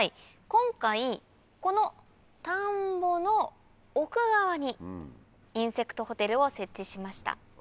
今回この田んぼの奥側にインセクトホテルを設置しました。